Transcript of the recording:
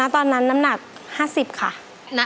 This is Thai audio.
ตอนนั้นน้ำหนัก๕๐ค่ะ